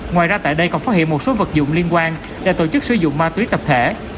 ngoài ra tại đây còn phát hiện một số vật dụng liên quan để tổ chức sử dụng ma túy tập thể